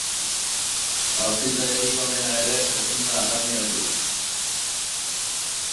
Jaurtitzailerik onena ere ezin da haraino heldu.